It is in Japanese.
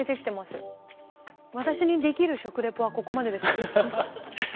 私にできる食レポはここまでです。